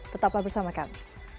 tetaplah bersama kami